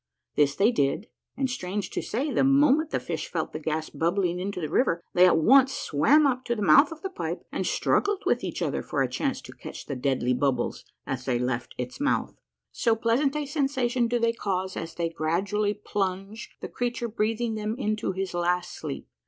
This they did, and, strange to say, the moment the fish felt the gas bubbling into the river, they at once swam up to the mouth of the pipe, and struggled with each other for a chance to catch the deadly bubbles as they left its mouth, so pleasant a sensation do they cause as they gradually plunge, the creature breathing them into his last sleep.